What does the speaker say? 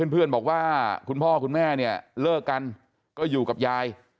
เพื่อนบอกว่าคุณพ่อคุณแม่เนี่ยเลิกกันก็อยู่กับยาย